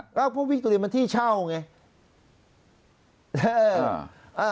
ก็เพราะวิคโตเรียมันที่เช่าไงอ่า